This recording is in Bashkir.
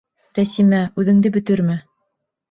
— Рәсимә, үҙеңде бөтөрмә.